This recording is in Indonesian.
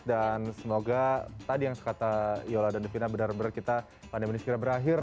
dan semoga tadi yang sekata yola dan devina benar benar kita pandemi ini segera berakhir